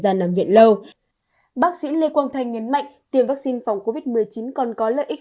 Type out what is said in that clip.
gian nằm viện lâu bác sĩ lê quang thành nhấn mạnh tiền vắc xin phòng covid một mươi chín còn có lợi ích